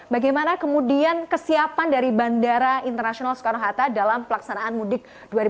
bagaimana kemudian kesiapan dari bandara internasional soekarno hatta dalam pelaksanaan mudik dua ribu dua puluh